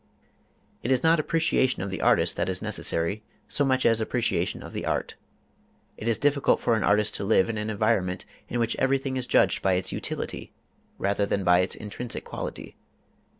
It is not appreciation of the artist that is necessary so much as appreciation of the art. It is difficult for an artist to live in an environment in which everything is judged by its utility, rather than by its intrinsic quality.